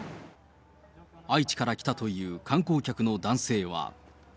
愛知から来たという観光客の男性は。